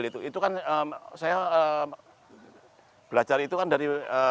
itu kan saya belajar itu kan dari